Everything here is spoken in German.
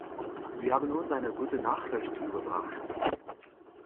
Sie haben uns eine gute Nachricht überbracht.